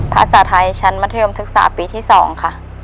ภาษาไทยชั้นมัธยมศึกษาปีที่๒ค่ะ